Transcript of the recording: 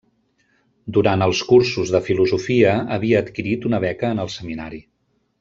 Durant els cursos de Filosofia havia adquirit una beca en el Seminari.